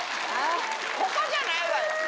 ここじゃないわよ。